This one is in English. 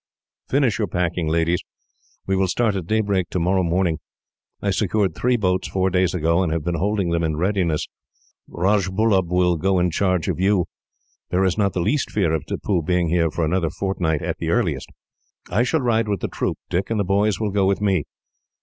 "Finish your packing, ladies. We will start at daybreak tomorrow morning. I secured three boats, four days ago, and have been holding them in readiness. Rajbullub will go in charge of you. There is not the least fear of Tippoo being here for another fortnight, at the earliest. "I shall ride with the troop. Dick and the boys will go with me.